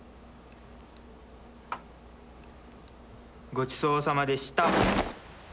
ごちそうさまでした。